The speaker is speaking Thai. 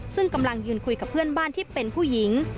ซึ่งกำลังยืนคุยกับเพื่อนบ้านที่เป็นผู้หญิง